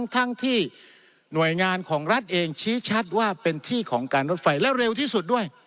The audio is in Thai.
ทั้งที่หน่วยงานของรัฐเองชี้ชัดว่าเป็นที่ของการรถไฟและเร็วที่สุดด้วย